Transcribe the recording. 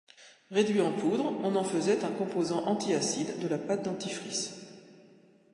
Réduit en poudre, on en faisait un composant antiacide de la pâte dentifrice.